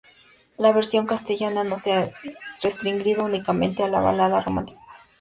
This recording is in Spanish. La versión castellana no se ha restringido únicamente a la balada romántica.